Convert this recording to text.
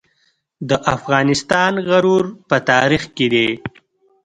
د افغانستان غرور په تاریخ کې دی